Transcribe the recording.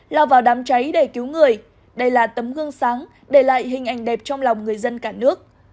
lao vào đám cháy để cứu người đây là tấm gương sáng để lại hình ảnh đẹp trong lòng người dân cả nước